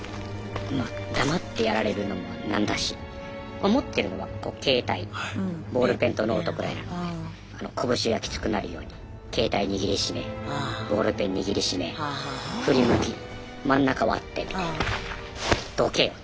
まあ黙ってやられるのも何だし持ってるのは携帯ボールペンとノートくらいなので拳がきつくなるように携帯握り締めボールペン握り締め振り向き真ん中割ってみたいな。